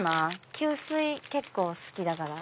吸水結構好きだから。